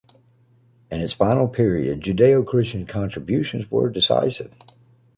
In its final period, Judeo-Christian contributions were decisive.